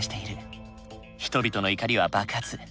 人々の怒りは爆発。